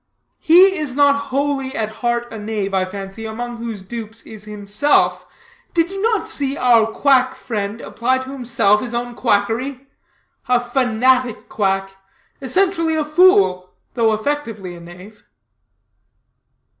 "He is not wholly at heart a knave, I fancy, among whose dupes is himself. Did you not see our quack friend apply to himself his own quackery? A fanatic quack; essentially a fool, though effectively a knave."